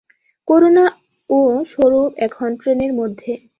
করুণা ও স্বরূপ এখন ট্রেনের মধ্যে।